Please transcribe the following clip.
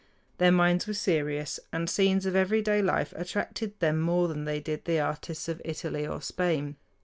Their minds were serious, and scenes of everyday life attracted them more than they did the artists of Italy or Spain.